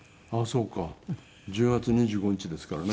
１０月２５日ですからね。